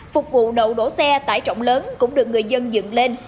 phục vụ đậu đổ xe tải trọng lớn cũng được người dân dựng lên